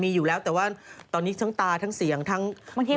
มีอยู่แล้วแต่ว่าตอนนี้ทั้งตาทั้งเสียงทั้งบางที